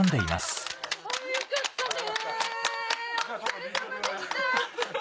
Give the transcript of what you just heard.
お疲れさまでした！